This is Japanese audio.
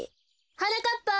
はなかっぱ！